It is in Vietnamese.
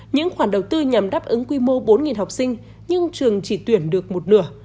những khoản đầu tư nhằm đáp ứng quy mô bốn học sinh nhưng trường chỉ tuyển được một nửa